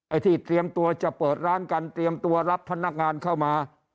ที่เตรียมตัวจะเปิดร้านกันเตรียมตัวรับพนักงานเข้ามา